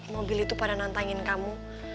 mobil itu pada nantangin kamu